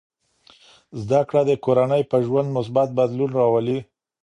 زده کړه د کورنۍ په ژوند مثبت بدلون راولي.